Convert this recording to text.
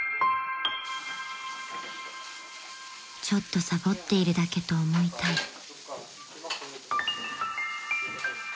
［ちょっとサボっているだけと思いたい］